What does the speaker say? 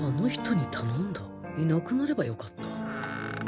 いなくなればよかった？